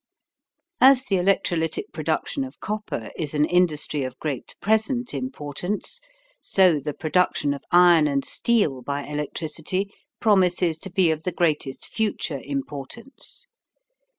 As the electrolytic production of copper is an industry of great present importance, so the production of iron and steel by electricity promises to be of the greatest future importance.